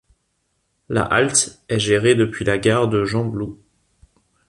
La halte est gérée depuis la gare de Gembloux.